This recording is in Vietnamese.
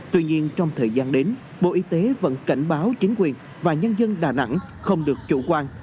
tuy nhiên trong thời gian đến bộ y tế vẫn cảnh báo chính quyền và nhân dân đà nẵng không được chủ quan